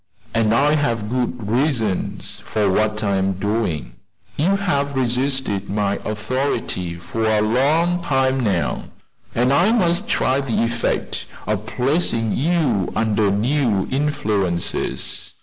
And I have good reasons for what I am doing. You have resisted my authority for a long time now, and I must try the effect of placing you under new influences.